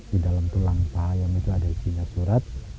di dalam tulang paha ayam itu ada isinya surat